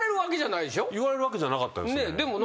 言われるわけじゃなかったですね。